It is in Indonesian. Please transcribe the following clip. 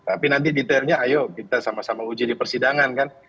tapi nanti detailnya ayo kita sama sama uji di persidangan kan